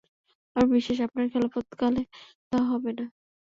আমার বিশ্বাস, আপনার খেলাফত কালে তা হবে না।